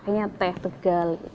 akhirnya teh tegal